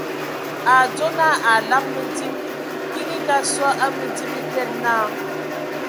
A a adzo naa a alab məndim, kiŋ e Ngaasɔ a mǝndim a etede naa :